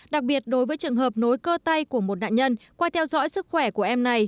đặc biệt đối với trường hợp nối cơ tay của một nạn nhân qua theo dõi sức khỏe của em này